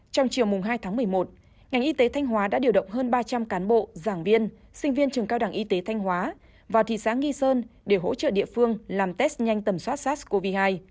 trong chiều hai tháng một mươi một ngành y tế thanh hóa đã điều động hơn ba trăm linh cán bộ giảng viên sinh viên trường cao đẳng y tế thanh hóa vào thị xã nghi sơn để hỗ trợ địa phương làm test nhanh tầm soát sars cov hai